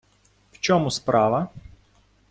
В чому справа.